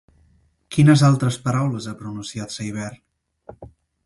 Quines altres paraules ha pronunciat Seibert?